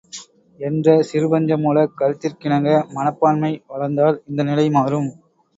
என்ற சிறு பஞ்ச மூலக் கருத்திற்கிணங்க மனப்பான்மை வளர்ந்தால் இந்த நிலை மாறும்.